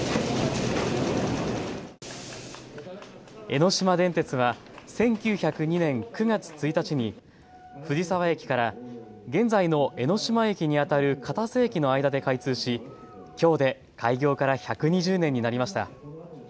江ノ島電鉄は１９０２年９月１日に藤沢駅から現在の江ノ島駅にあたる片瀬駅の間で開通しきょうで開業から１２０年になりました。